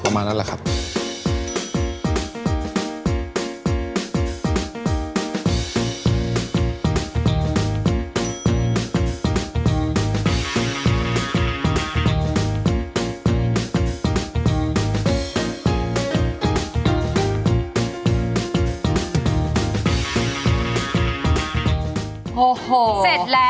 เกลือเท่านั้นแหละครับเกือบลืมอย่างหนึ่งครับ